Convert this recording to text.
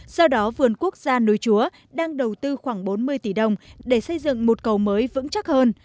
do đó vườn quốc gia núi chúa đang đầu tư khoảng bốn mươi tỷ đồng để xây dựng một cầu mới vững chắc hơn